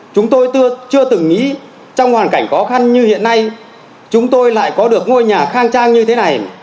chúng tôi chưa từng nghĩ trong hoàn cảnh khó khăn như hiện nay chúng tôi lại có được ngôi nhà khang trang như thế này